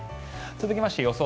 続きまして予想